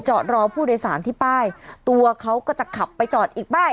จอดรอผู้โดยสารที่ป้ายตัวเขาก็จะขับไปจอดอีกป้าย